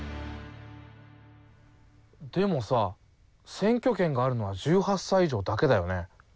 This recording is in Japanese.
でもさ選挙権があるのは１８歳以上だけだよね。